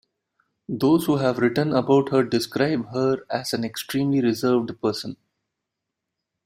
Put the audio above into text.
Those who have written about her describe her as an extremely reserved person.